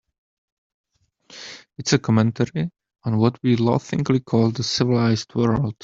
It's a commentary on what we laughingly call the civilized world.